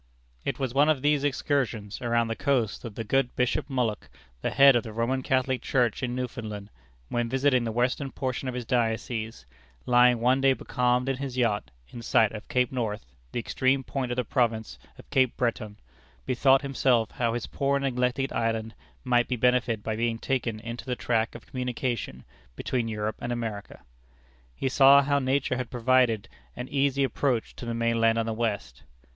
It was in one of these excursions around the coast that the good Bishop Mullock, the head of the Roman Catholic Church in Newfoundland, when visiting the western portion of his diocese, lying one day becalmed in his yacht, in sight of Cape North, the extreme point of the province of Cape Breton, bethought himself how his poor neglected island might be benefited by being taken into the track of communication between Europe and America. He saw how nature had provided an easy approach to the mainland on the west.